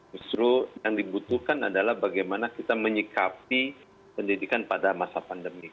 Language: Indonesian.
justru yang dibutuhkan adalah bagaimana kita menyikapi pendidikan pada masa pandemi